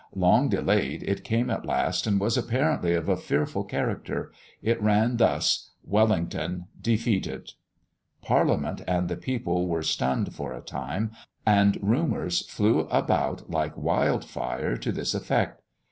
Long delayed, it came at last, and was apparently of a fearful character. It ran thus: "Wellington defeated." Parliament and the people were stunned for a time, and rumours flew about like wildfire to this effect.